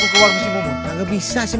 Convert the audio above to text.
udah bang jalan